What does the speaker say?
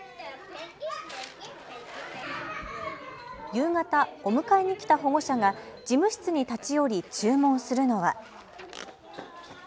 夕方、お迎えに来た保護者が事務室に立ち寄り注文するのは。